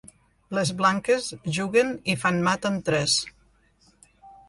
Les blanques juguen i fan mat en tres.